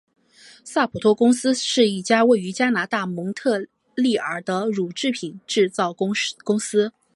萨普托公司是一家位于加拿大蒙特利尔的乳制品制造公司。